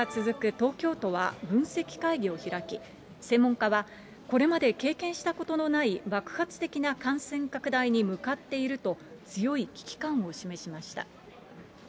東京都は分析会議を開き、専門家は、これまで経験したことのない爆発的な感染拡大に向かっていると、強い危機感を示しました。